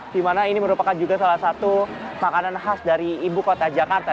di mana ini merupakan juga salah satu makanan khas dari ibu kota jakarta